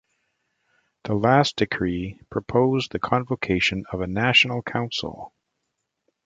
The last decree proposed the convocation of a national council.